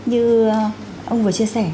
như ông vừa chia sẻ